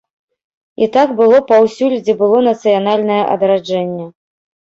І так было паўсюль, дзе было нацыянальнае адраджэнне.